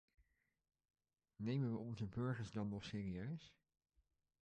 Nemen we onze burgers dan nog serieus?